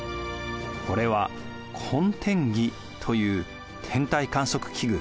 これは渾天儀という天体観測器具。